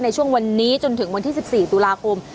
ในช่วงวันนี้จนถึงวันที่๑๔ตุลาคม